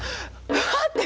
待って！